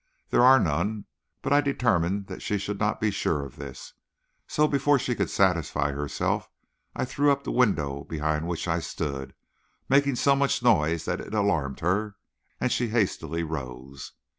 There are none, but I determined she should not be sure of this, so before she could satisfy herself, I threw up the window behind which I stood, making so much noise that it alarmed her, and she hastily rose.